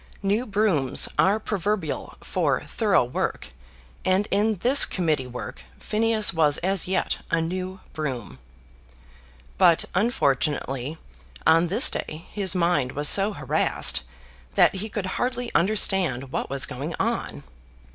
New brooms are proverbial for thorough work, and in this Committee work Phineas was as yet a new broom. But, unfortunately, on this day his mind was so harassed that he could hardly understand what was going on.